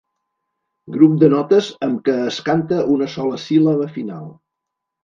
Grup de notes amb què es canta una sola síl·laba final.